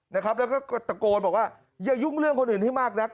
แล้วก็ตะโกนบอกว่าอย่ายุ่งเรื่องคนอื่นให้มากนัก